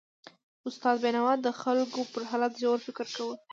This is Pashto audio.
استاد بینوا د خلکو پر حالت ژور فکر کاوه.